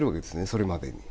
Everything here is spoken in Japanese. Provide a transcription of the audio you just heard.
それまでに。